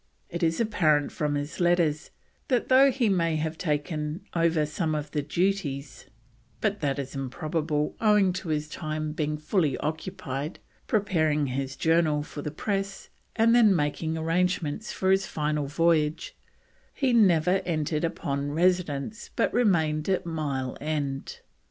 It is apparent from his letters that though he may have taken over some of the duties (but that is improbable, owing to his time being fully occupied preparing his Journal for the press and then making arrangements for his final voyage), he never entered upon residence but remained at Mile End.